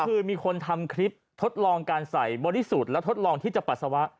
คือมีคนทำคลิปทดลองการใส่บริสุทธิ์และทดลองที่จะปัสสาวะ